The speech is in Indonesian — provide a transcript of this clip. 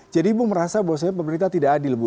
jadi ibu merasa bahwa sebenarnya pemerintah tidak adil bu